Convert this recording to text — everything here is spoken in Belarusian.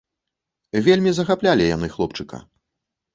Вельмі захаплялі яны хлопчыка.